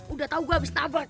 udah tau gua abis tabat